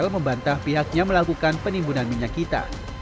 membantah pihaknya melakukan penimbunan minyak kita